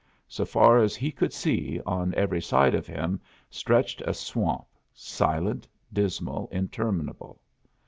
So far as he could see, on every side of him stretched a swamp, silent, dismal, interminable.